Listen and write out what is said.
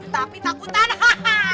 tapi takutan hahaha